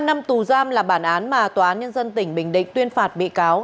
năm năm tù giam là bản án mà tòa án nhân dân tỉnh bình định tuyên phạt bị cáo